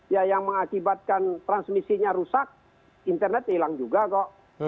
ya yang mengakibatkan transmisinya rusak internet hilang juga kok